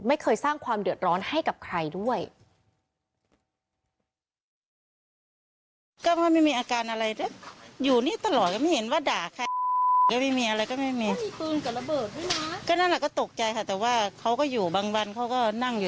ไม่เคยสร้างความเดือดร้อนให้กับใครด้วย